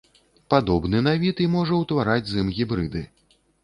Падобны на від і можа ўтвараць з ім гібрыды.